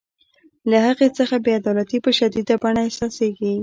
له هغې څخه بې عدالتي په شدیده بڼه احساسیږي.